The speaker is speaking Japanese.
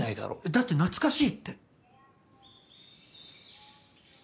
だって「懐かしい」って。